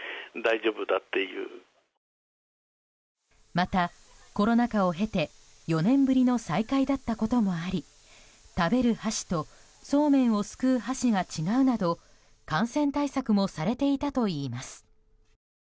また、コロナ禍を経て４年ぶりの再開だったこともあり食べる箸とそうめんをすくう箸が違うなど感染対策もされていたといいます。